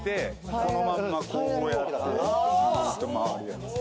「このまんまこうやってずーっと回るやつ」